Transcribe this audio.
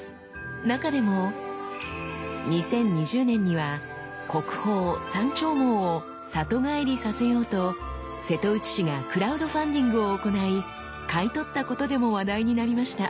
中でも２０２０年には国宝山鳥毛を里帰りさせようと瀬戸内市がクラウドファンディングを行い買い取ったことでも話題になりました。